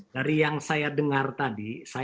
dari yang saya dengar tadi